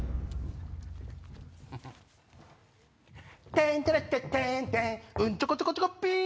テンテレッテテンテンうんちょこちょこちょこぴー！